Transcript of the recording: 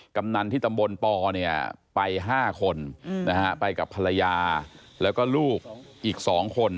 กำนันที่ตำบลปเนี่ยไป๕คนไปกับภรรยาแล้วก็ลูกอีก๒คน